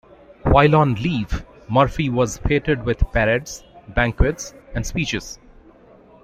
While on leave, Murphy was feted with parades, banquets, and speeches.